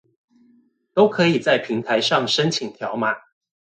都可以在平台上申請條碼